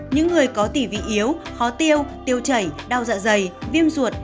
những người có tỷ vị yếu khó tiêu tiêu chảy đau dạ dày viêm ruột